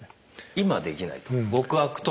今はできないと。